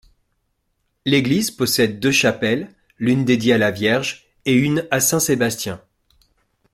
L'église possède deux chapelles, l'une dédiée à la Vierge et une à saint Sébastien.